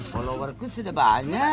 followerku sudah banyak